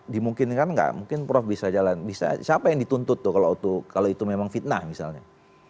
dimungkinkan nggak mungkin prof bisa jalan siapa yang dituntut tuh kalau itu memang fitnah misalnya